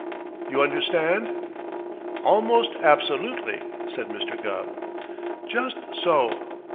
You understand?" "Almost absolutely," said Mr. Gubb. "Just so!